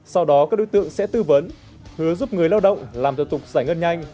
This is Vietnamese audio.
sau đó các đối tượng sẽ tư vấn hứa giúp người lao động làm thờ tục giải ngân nhanh